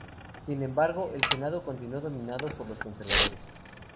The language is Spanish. Sin embargo, el Senado continuó dominado por los conservadores.